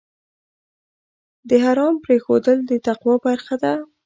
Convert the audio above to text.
د حرام پرېښودل د تقوی برخه ده.